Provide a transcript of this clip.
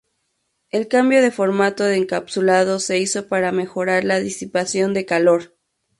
El cambio de formato de encapsulado se hizo para mejorar la disipación de calor.